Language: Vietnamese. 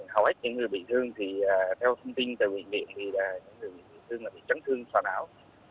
hầu hết những người bị thương thì theo thông tin tại bệnh viện thì những người bị thương là bị trấn thương so nảo